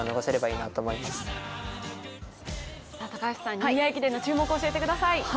ニューイヤー駅伝での注目を教えてください。